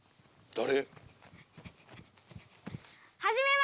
誰？